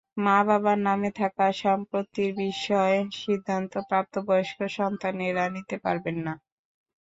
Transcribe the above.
মা-বাবার নামে থাকা সম্পত্তির বিষয়ে সিদ্ধান্ত প্রাপ্তবয়স্ক সন্তানেরা নিতে পারবেন না।